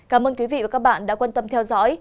cảm ơn quý vị và các bạn đã quan tâm theo dõi